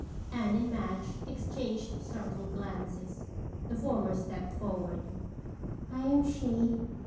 Anne and Madge exchanged startled glances. The former stepped forward. "I am she."